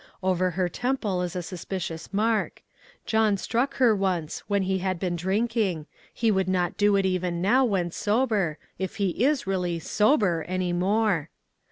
Over her temple is a suspicious murk ; John struck her once, when he had been drinking ; he would not do it even now, when sober ; if he is really sober any more.